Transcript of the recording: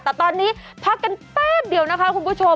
แต่ตอนนี้พักกันแป๊บเดียวนะคะคุณผู้ชม